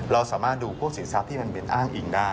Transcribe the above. เราสามารถดูพวกสินทรัพย์ที่มันเป็นอ้างอิงได้